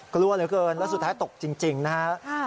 กลัวเลยเกินแล้วสุดท้ายตกจริงนะครับ